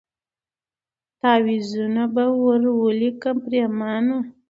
تعویذونه به ور ولیکم پرېمانه